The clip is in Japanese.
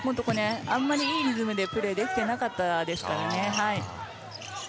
あんまりいいリズムでプレーができてなかったですからね。